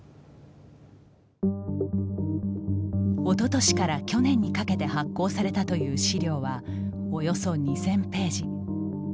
おととしから去年にかけて発行されたという資料はおよそ２０００ページ。